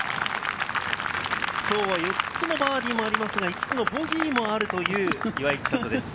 きょうは４つのバーディーもありますが、５つのボギーもあるという岩井千怜です。